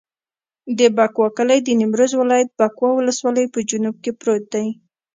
د بکوا کلی د نیمروز ولایت، بکوا ولسوالي په جنوب کې پروت دی.